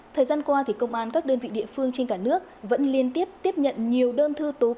thời gian qua công an các đơn vị địa phương trên cả nước vẫn liên tiếp tiếp nhận nhiều bài hỏi về hành vi sử dụng pháo và thuốc pháo